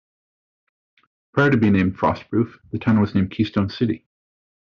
Prior to being named Frostproof, the town was named Keystone City.